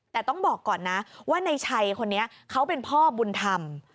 แต่ต้องบอกก่อนนะว่าในชัยคนนี้เขาเป็นพ่อบุญธรรม